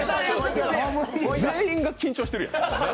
全員が緊張してるよ。